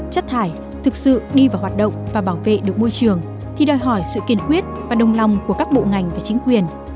chất thải thực sự đi vào hoạt động và bảo vệ được môi trường thì đòi hỏi sự kiên quyết và đồng lòng của các bộ ngành và chính quyền